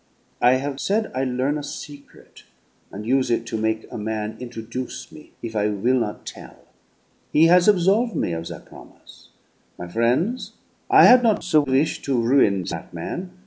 I have said I learn' a secret, and use it to make a man introduce me if I will not tell. He has absolve' me of that promise. My frien's, I had not the wish to ruin that man.